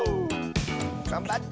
がんばって！